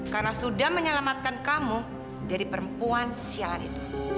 karena sudah menyelamatkan kamu dari perempuan sialan itu